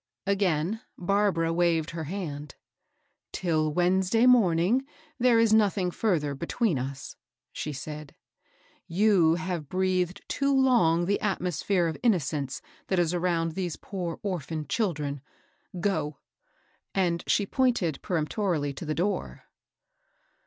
Again Barbara waved her hand. " Till Wednesday morning there is nothing far ther between us," she said. " You have breathed too long the atihosphere of innocence that is around these poor orphan children. Go 1 " and she pointed peremptorily to the door.